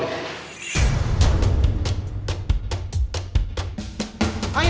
di hor masalah nya